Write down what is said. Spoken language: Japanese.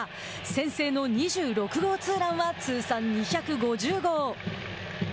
先制の２６号ツーランは通算２５０号。